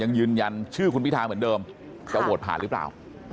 ยังยืนยันชื่อคุณพิธาเหมือนเดิมจะโหวตผ่านหรือเปล่า